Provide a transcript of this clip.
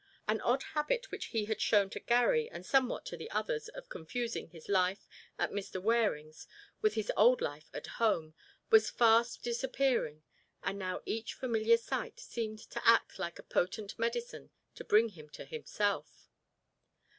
An odd habit which he had shown to Garry and somewhat to the others of confusing his life at Mr. Waring's with his old life at home, was fast disappearing and now each familiar sight seemed to act like a potent medicine to bring him to himself.